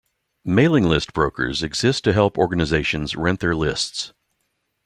Mailing list brokers exist to help organizations rent their lists.